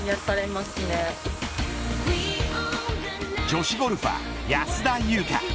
女子ゴルファー安田祐香。